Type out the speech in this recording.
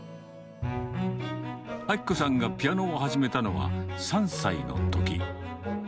明子さんがピアノを始めたのは、３歳のとき。